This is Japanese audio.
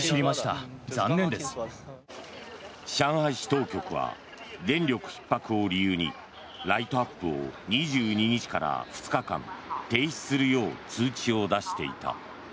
上海市当局は電力ひっ迫を理由にライトアップを２２日から２日間停止するよう通知を出していた。